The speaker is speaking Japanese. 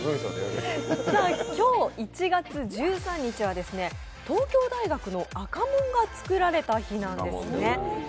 今日１月１３日は東京大学の赤門が造られた日なんですね。